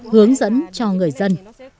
hướng dẫn cho người dân